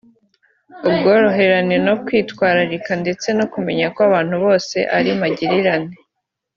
ubworoherane no kwitwararika ndetse no kumenya ko abantu bose ari magirirane